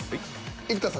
生田さん